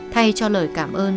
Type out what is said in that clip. thay cho lời cảm ơn